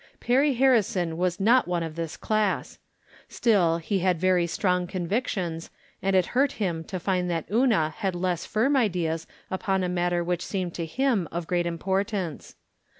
Perry Harrison was not one of this class. Still he had very strong convictions, and it hurt him to find that Una had less firm ideas upon a mat ter which seemed to him of great importance.